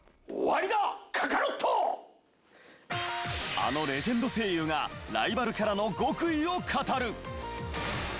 あのレジェンド声優がライバルキャラの極意を語る。